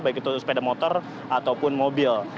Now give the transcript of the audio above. baik itu sepeda motor ataupun mobil